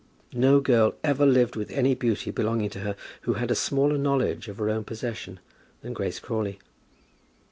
No girl ever lived with any beauty belonging to her who had a smaller knowledge of her own possession than Grace Crawley.